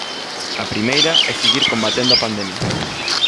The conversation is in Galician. A primeira é seguir combatendo a pandemia.